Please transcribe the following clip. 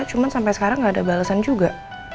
cuma sampai sekarang gak ada balesan juga